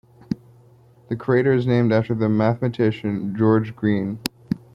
The crater is named after the mathematician George Green.